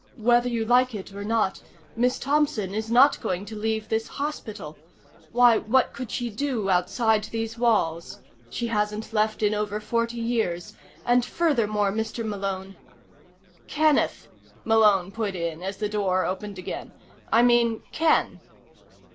"Whether you like it or not, Miss Thompson is not going to leave this hospital. Why, what could she do outside these walls? She hasn't left in over forty years! And furthermore, Mr. Malone " "Kenneth," Malone put in, as the door opened again. "I mean Ken."